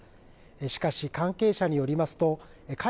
しかし、関係者によりますと、会